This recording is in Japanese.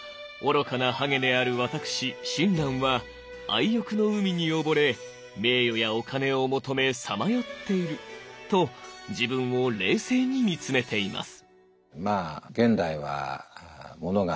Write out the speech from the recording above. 愚かなハゲである私親鸞は愛欲の海に溺れ名誉やお金を求めさまよっている」と自分を冷静に見つめています。